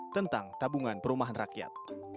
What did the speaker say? tentang tabungan perumahan rakyat